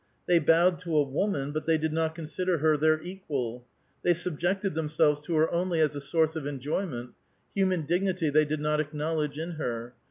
They bowed to a woman, but they did not con sider her their equal. They subjected themselves to her only as to a source of enjoyment ; human dignity they did not acknowledge in her.